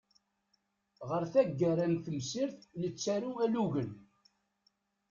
Ɣer taggara n temsirt nettaru alugen.